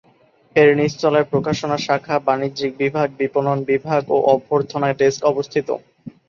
এর নিচতলায় প্রকাশনা শাখা, বাণিজ্যিক বিভাগ, বিপণন বিভাগ ও অভ্যর্থনা ডেস্ক অবস্থিত।